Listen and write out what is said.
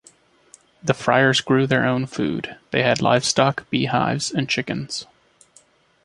The friars grew their own food, they had livestock, bee hives and chickens.